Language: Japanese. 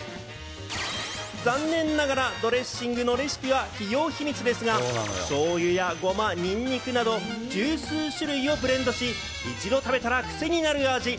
残念ながら、ドレッシングのレシピは企業秘密ですが、しょうゆやゴマ、ニンニクなど１０数種類をブレンドし、一度食べたらクセになる味。